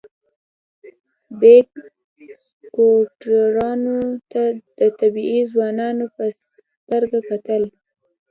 بیګ سکواټورانو ته د طبیعي خانانو په سترګه کتل.